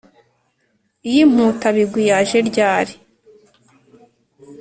Iy’Imputa-bigwi yaje ryari